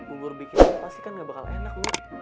ubur bikinnya pasti kan gak bakal enak